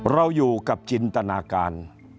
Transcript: เราอยู่กับจินตนาการ